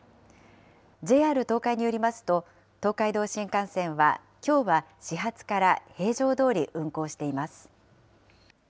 ＪＲ東海によりますと、東海道新幹線はきょうは始発から平常どおり運行しています。